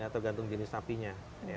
tergantung jenis sapinya